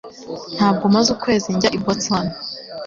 Ntabwo maze ukwezi njya i Boston